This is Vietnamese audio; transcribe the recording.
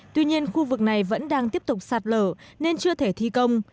tuy nhiên khu vực này vẫn đang tiếp tục sạt lở nên chưa thể thi công